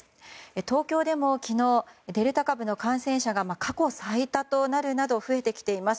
東京でも昨日デルタ株の感染者が過去最多となるなど増えてきています。